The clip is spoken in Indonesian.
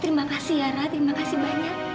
terima kasih yara terima kasih banyak